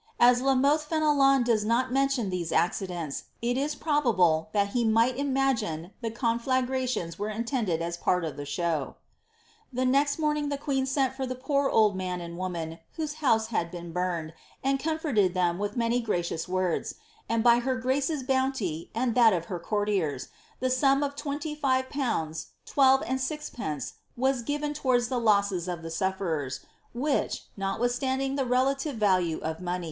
As La Molhe Fenelon does not mention these accidents, i( is probable thai he migtil imagine Uie coit flagiaitons were intended for a pari of the sliow. Tlie nexl morning' the queen sent for the poor old man and woman who»^e house had been burned, and comrcirtcd ihem with many gracious words ; and by her grace's boxniv ■■><] ihat of her courtiers, the sDin of twenty five pounds twelve > ^iwnre was given towards the lossn of ibe sufferers, which, nof iding the relative ™lue of mone)'.